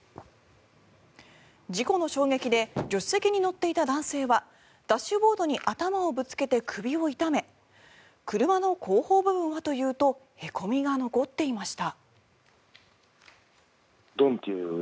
事故の衝撃で助手席に乗っていた男性はダッシュボードに頭をぶつけて首を痛め車の後方部分はというとへこみが残っていました。